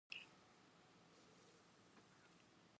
biji enam untuk bahasa Indonesia